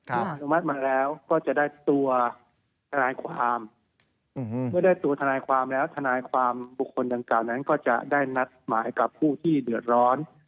อนุมัติมาแล้วก็จะได้ตัวทนายความเมื่อได้ตัวทนายความแล้วทนายความบุคคลดังกล่าวนั้นก็จะได้นัดหมายกับผู้ที่เดือดร้อน